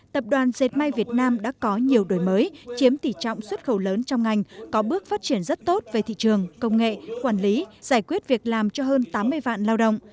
tập đoàn dệt may việt nam đã có nhiều đổi mới chiếm tỷ trọng xuất khẩu lớn trong ngành có bước phát triển rất tốt về thị trường công nghệ quản lý giải quyết việc làm cho hơn tám mươi vạn lao động